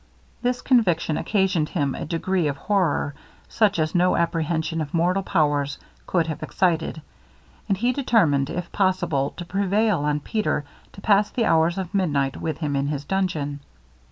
This conviction occasioned him a degree of horror, such as no apprehension of mortal powers could have excited; and he determined, if possible, to prevail on Peter to pass the hours of midnight with him in his dungeon.